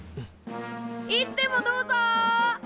いつでもどうぞ！